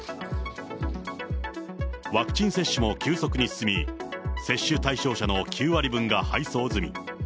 ワクチン接種も急速に進み、接種対象者の９割分が配送済み。